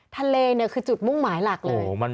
ทะเลเนี่ยคือจุดมุ่งหมายหลักเลย